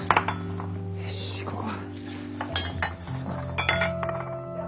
よし行こうか。